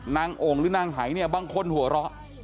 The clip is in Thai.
โอ่งหรือนางหายเนี่ยบางคนหัวเราะ